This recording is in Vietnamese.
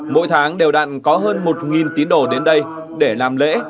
mỗi tháng đều đặn có hơn một tín đồ đến đây để làm lễ